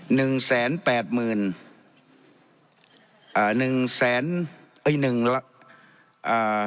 หนึ่งแสนแปดหมื่นอ่าหนึ่งแสนเอ้ยหนึ่งละอ่า